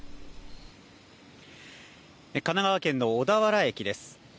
神奈川県の小田原駅です。